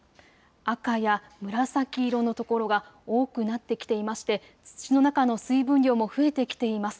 赤や紫色の所が多くなってきていまして土の中の水分量も増えてきています。